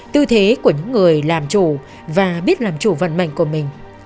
tư thế của những người làm chủ và biết làm chủ vận mệnh của mình